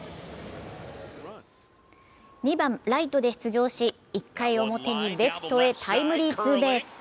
２番・ライトで出場し１回表にレフトへタイムリーツーベース。